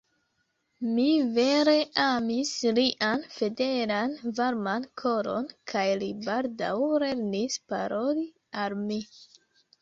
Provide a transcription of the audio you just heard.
Mi vere amis lian fidelan varman koron, kaj li baldaŭ lernis paroli al mi.